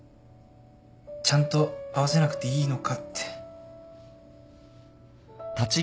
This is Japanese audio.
ちゃんと会わせなくていいのかって。